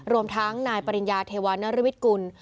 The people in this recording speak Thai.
รวมทั้งนายปริญญาเทวานรวิทย์กุล